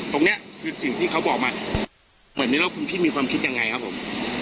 ตรงนี้คือสิ่งที่เขาบอกมาเหมือนในโลกคุณพี่มีความคิดยังไงครับผม